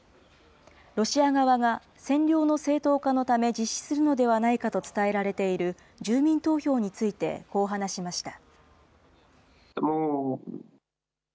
ロシア側が占領の正当化のため実施するのではないかと伝えられている住民投票について、こう話しました。